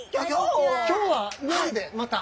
今日は何でまた？